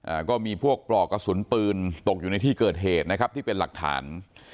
อ่าก็มีพวกปลอกกระสุนปืนตกอยู่ในที่เกิดเหตุนะครับที่เป็นหลักฐาน